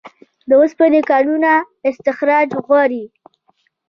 د اوسپنې کانونه استخراج غواړي